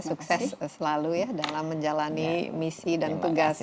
sukses selalu ya dalam menjalani misi dan tugas